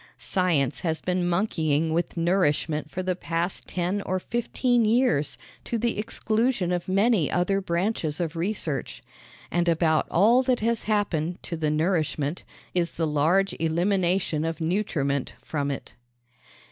Science has been monkeying with nourishment for the past ten or fifteen years to the exclusion of many other branches of research; and about all that has happened to the nourishment is the large elimination of nutriment from it.